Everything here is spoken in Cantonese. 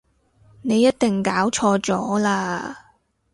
你一定搞錯咗喇